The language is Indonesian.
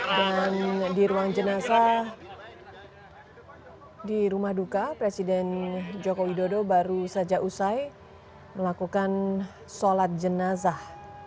dan di ruang jenazah di rumah duka presiden joko widodo baru saja usai melakukan sholat jenazah